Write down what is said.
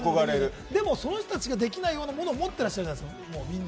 でもその人たちができないようなものを持ってらっしゃるみんな。